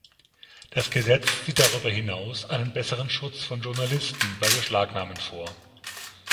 Das Gesetz sieht darüber hinaus einen besseren Schutz von Journalisten bei Beschlagnahmen vor.